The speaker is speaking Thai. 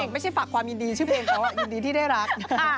ไม่ใช่ฝากความยินดีชื่อเพลงเขายินดีที่ได้รัก